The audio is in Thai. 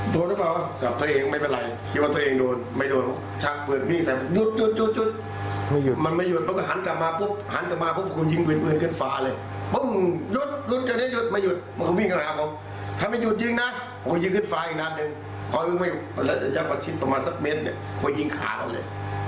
ถ้าไม่หยุดยิงนะก็ยิงขึ้นฟ้าอีกนัดนึงก็ยิงขาเขาเลย